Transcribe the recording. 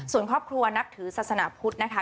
ส่วนครอบครัวนับถือศาสนาพุทธนะคะ